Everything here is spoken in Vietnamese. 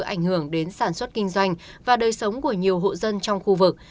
ảnh hưởng đến sản xuất kinh doanh và đời sống của nhiều hộ dân trong khu vực